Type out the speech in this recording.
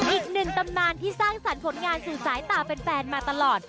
อีกหนึ่งตำนานที่สร้างสรรค์ผลงานสู่สายตาแฟนมาตลอด